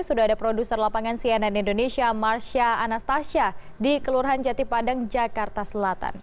sudah ada produser lapangan cnn indonesia marsha anastasia di kelurahan jati padang jakarta selatan